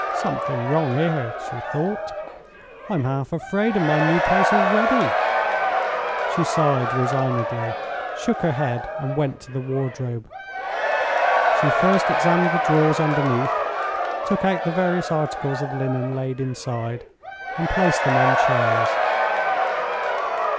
"Something wrong here," she thought. "I'm half afraid of my new place already." She sighed resignedly, shook her head, and went to the wardrobe. She first examined the drawers underneath, took out the various articles of linen laid inside, and placed them on chairs.